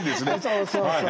そうそうそう。